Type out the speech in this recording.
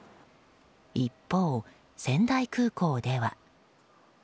一方、仙台空港では。